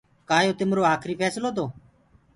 ڪآ يو تمرو آکري ڦيسلو تو۔